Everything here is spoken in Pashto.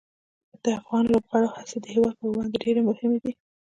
د افغان لوبغاړو هڅې د هېواد پر وړاندې ډېره مهمه دي.